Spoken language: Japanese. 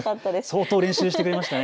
相当練習してくれましたね。